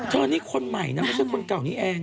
นี่คนใหม่นะไม่ใช่คนเก่านี้เอง